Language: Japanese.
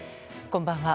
こんばんは。